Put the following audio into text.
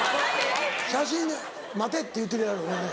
「写真待て」って言うてるやろうね。